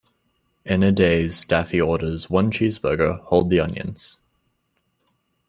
In a daze, Daffy orders "One cheeseburger, hold the onions".